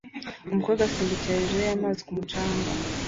Umukobwa asimbukira hejuru y'amazi ku mucanga